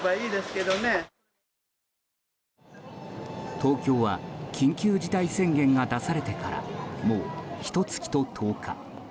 東京は緊急事態宣言が出されてからもう、ひと月と１０日。